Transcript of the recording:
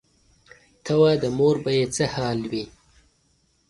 ته وا د مور به یې څه حال وي.